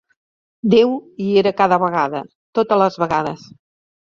Déu hi era cada vegada, totes les vegades.